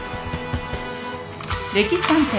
「歴史探偵」